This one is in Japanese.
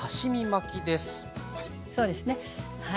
そうですねはい。